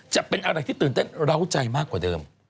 จะเป็นอะไรที่ตื่นเต้นเหล้าใจมากกว่าเดิม